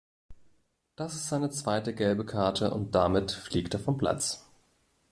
Das ist seine zweite gelbe Karte und damit fliegt er vom Platz.